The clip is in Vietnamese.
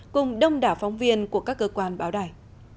cùng đông đảo phóng viên của các cơ quan báo đài